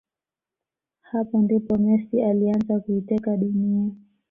Hapa ndipo Messi alianza kuiteka dunia